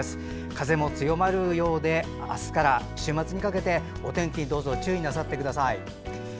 風も強まるようで明日から週末にかけてお天気、どうぞ注意なさってください。